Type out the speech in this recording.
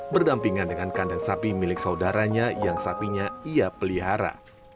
berdampingan dengan kandang sapi milik saudaranya yang sapinya ia pelihara